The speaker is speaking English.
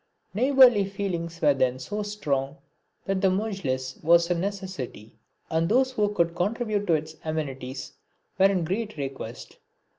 Neighbourly feelings were then so strong that the mujlis was a necessity, and those who could contribute to its amenities were in great request.